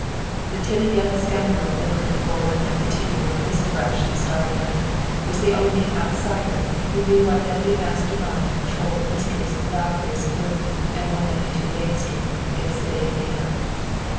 The timid young scoundrel lingering before 192 on this fresh, starry night was the only "outsider" who knew what deadly master mind controlled the mysteries of the "Valkyrie" saloon and 192 Layte Street, its sedate neighbor.